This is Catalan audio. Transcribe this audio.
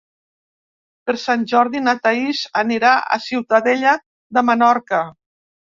Per Sant Jordi na Thaís anirà a Ciutadella de Menorca.